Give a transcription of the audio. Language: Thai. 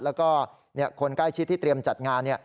แล้วก็คนใกล้ชิดที่เตรียมจัดงาน